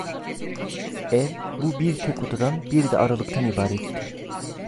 Ev bu bir tek odadan, bir de aralıktan, ibaretti.